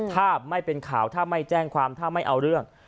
ถ้าไม่เป็นข่าวถ้าไม่แจ้งความถ้าไม่เอาเรื่อง